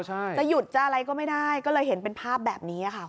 ใช่จะหยุดจะอะไรก็ไม่ได้ก็เลยเห็นเป็นภาพแบบนี้ค่ะ